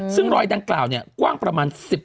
ซึ่งรอยดังกล่าวเนี่ยกว้างประมาณ๑๐